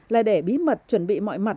là để bí mật chuẩn bị mọi mặt